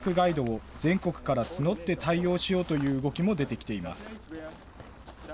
地元では足りない通訳ガイドを全国から募って対応しようという動きも出てきています。